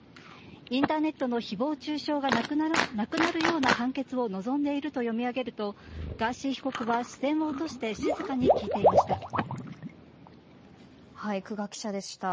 インターネットの誹謗中傷がなくなるような判決を望んでいると読み上げるとガーシー被告は視線を落として空閑記者でした。